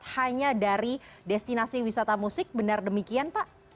hanya dari destinasi wisata musik benar demikian pak